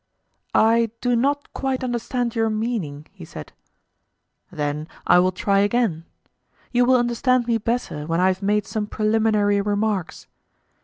I do not quite understand your meaning, he said. Then I will try again; you will understand me better when I have made some preliminary remarks.